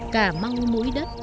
cà mau mũi đất